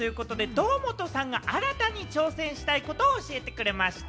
堂本さんが新たに挑戦したいことを教えてくれました。